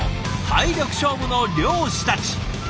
体力勝負の漁師たち。